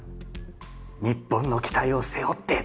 「日本の期待を背負って」とかさ。